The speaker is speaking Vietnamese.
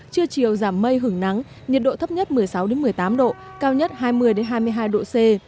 trưa chiều giảm mây hưởng nắng nhiệt độ thấp nhất một mươi sáu một mươi tám độ cao nhất hai mươi hai mươi hai độ c